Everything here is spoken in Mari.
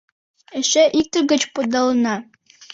— Эше икте гыч подылына.